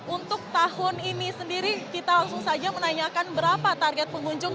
untuk tahun ini sendiri kita langsung saja menanyakan berapa target pengunjung